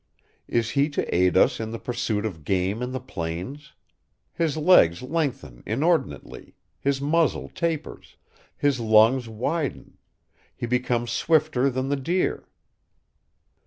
Is he to aid us in the pursuit of game in the plains? His legs lengthen inordinately, his muzzle tapers, his lungs widen, he becomes swifter than the deer.